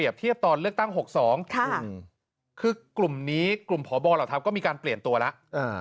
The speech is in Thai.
บเลอธับก็มีการเปลี่ยนตัวแล้ว